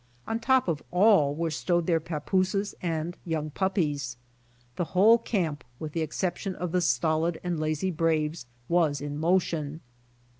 On top of all were stowed their papooses and young puppies. The whole, camp with the excep tion of the stolid and lazy braves A\'as in motion.